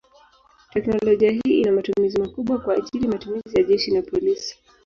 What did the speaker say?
Teknolojia hii ina matumizi makubwa kwa ajili matumizi ya jeshi na polisi.